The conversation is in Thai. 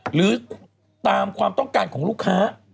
หรือตามความต้องการของลูกค้า